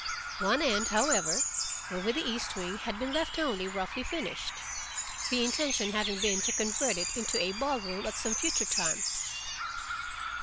One end, however, over the east wing, had been left only roughly finished, the intention having been to convert it into a ball room at some future time.